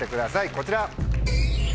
こちら。